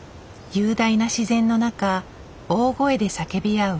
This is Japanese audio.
雄大な自然の中大声で叫び合う